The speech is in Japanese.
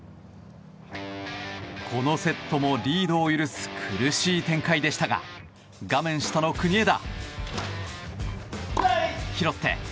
このセットもリードを許す苦しい展開でしたが画面下の国枝。